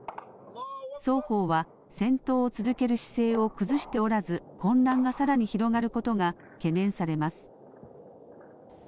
双方は戦闘を続ける姿勢を崩しておらず混乱がさらに広がることが懸念されます。